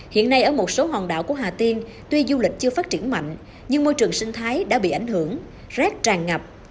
hiện nay ở một số hòn đảo của hà tiên tuy du lịch chưa phát triển mạnh nhưng môi trường sinh thái đã bị ảnh hưởng rét tràn ngập